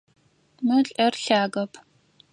Мы лӏыр лъагэп.